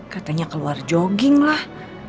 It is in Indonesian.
katanya keluar jogging lah